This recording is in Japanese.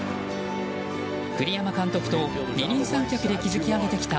栗山監督と二人三脚で築き上げてきた